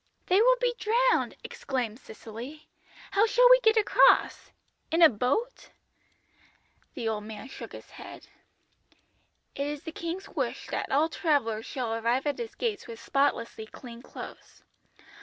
"'They will be drowned,' exclaimed Cicely. 'How shall we get across? In a boat?' "The old man shook his head. "'It is the King's wish that all travellers shall arrive at His gates with spotlessly clean clothes.